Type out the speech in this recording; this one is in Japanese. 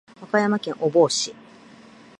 和歌山県御坊市